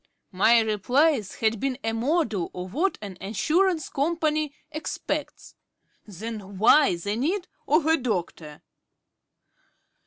_" My replies had been a model of what an Assurance Company expects. Then why the need of a doctor?